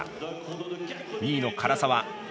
２位の唐澤。